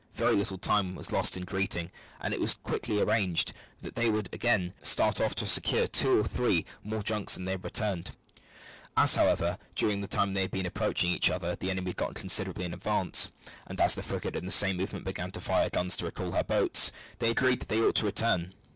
Very little time was lost in greetings, and it was quickly arranged that they would again start off to secure two or three more junks before they returned. As, however, during the time they had been approaching each other the enemy had got considerably in advance, and as the frigate at the same moment began to fire guns to recall her boats, they agreed that they ought to return.